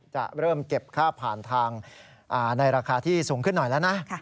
จะเริ่มเก็บค่าผ่านทางในราคาที่สูงขึ้นหน่อยแล้วนะ